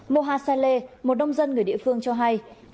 moha saleh một đông dân người địa phương cho hay